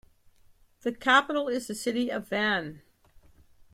The capital is the city of Van.